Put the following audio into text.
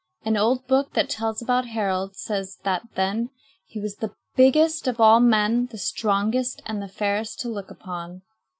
An old book that tells about Harald says that then "he was the biggest of all men, the strongest, and the fairest to look upon."